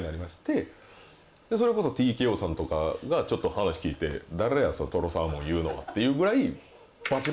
それこそＴＫＯさんとかがちょっと話聞いて「誰やとろサーモンいうのは」っていうぐらい。